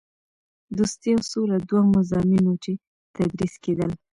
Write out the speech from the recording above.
دوستي او سوله دوه مضامین وو چې تدریس کېدل.